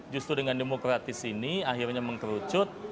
justru dengan demokratis ini akhirnya mengkerucut